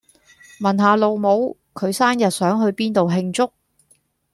問下老母，佢生日想去邊度慶祝